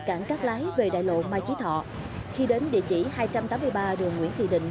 cảng cát lái về đại lộ mai chí thọ khi đến địa chỉ hai trăm tám mươi ba đường nguyễn thị định